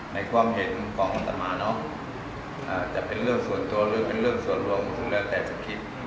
ในความเห็นของอัตมาเนอะจะเป็นเรื่องส่วนตัวหรือเป็นเรื่องส่วนรวมซึ่งแล้วแต่จะคิด